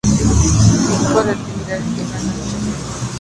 Su pico de actividad es al anochecer.